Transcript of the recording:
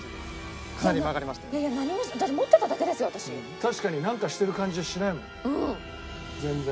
確かになんかしてる感じはしないもん全然。